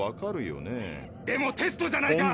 でもテストじゃないか！